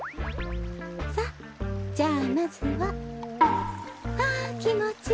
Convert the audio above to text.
さっじゃあまずは。はあきもちいい。